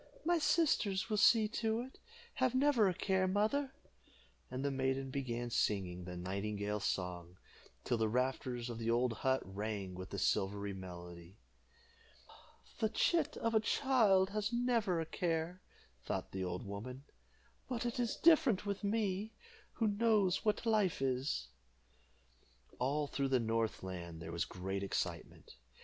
"My sisters will see to it. Have never a care, mother;" and the maiden began singing the nightingale's song, till the rafters of the old hut rang with the silvery melody. "The chit of a child has never a care," thought the old woman, "but it is different with me, who know what life is." All through the north land there was great excitement.